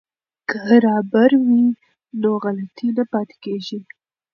که رابر وي نو غلطي نه پاتې کیږي.